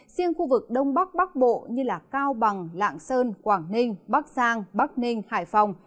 riêng khu vực đông bắc bắc bộ như cao bằng lạng sơn quảng ninh bắc giang bắc ninh hải phòng